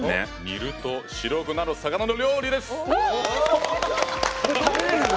煮ると白くなる魚の料理です！